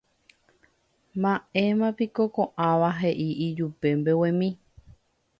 Mbaʼéma piko koʼãva heʼi ijupe mbeguemi.